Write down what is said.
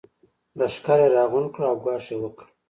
لښکر يې راغونډ کړ او ګواښ يې وکړ.